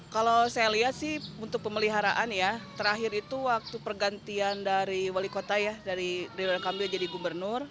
kalau saya lihat sih untuk pemeliharaan ya terakhir itu waktu pergantian dari wali kota ya dari ridwan kamil jadi gubernur